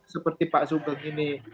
seperti pak subeng ini